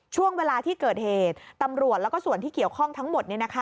ช่วงเวลาที่เกิดเหตุตำรวจแล้วก็ส่วนที่เกี่ยวข้องทั้งหมด